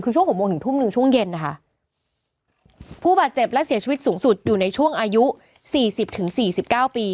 คือช่วงหกโมงถึงทุ่มหนึ่งช่วงเย็นนะคะผู้บาดเจ็บและเสียชีวิตสูงสุดอยู่ในช่วงอายุสี่สิบถึงสี่สิบเก้าปี